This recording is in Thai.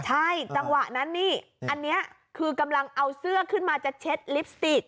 ใช่จังหวะนั้นนี่อันนี้คือกำลังเอาเสื้อขึ้นมาจะเช็ดลิปสติก